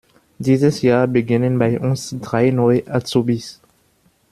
Dieses Jahr beginnen bei uns drei neue Azubis.